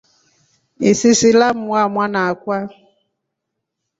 Isisi lamuwaa mwana akwa.